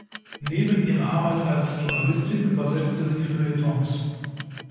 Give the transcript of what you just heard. Neben ihrer Arbeit als Journalistin übersetzte sie Feuilletons.